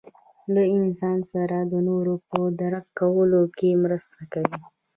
له انسان سره د نورو په درک کولو کې مرسته کوي.